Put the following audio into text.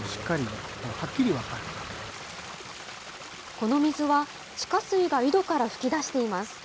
この水は地下水が井戸から噴き出しています。